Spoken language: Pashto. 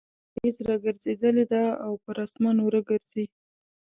نن بيا اوريځ راګرځېدلې ده او پر اسمان اوره ګرځي